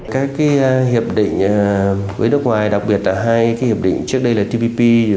các hiệp định với nước ngoài đặc biệt là hai cái hiệp định trước đây là tpp